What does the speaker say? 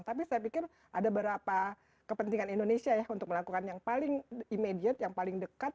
tapi saya pikir ada beberapa kepentingan indonesia ya untuk melakukan yang paling immediate yang paling dekat